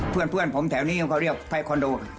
เพื่อนผมแถวนี้ก็เรียกพ่ายคอนโด